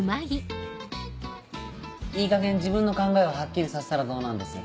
いいかげん自分の考えをハッキリさせたらどうなんです。